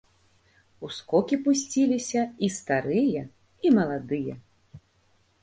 У скокі пусціліся і старыя, і маладыя.